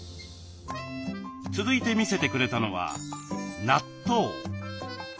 続いて見せてくれたのは納豆。